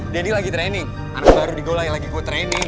denny lagi training anak baru di golah lagi ke training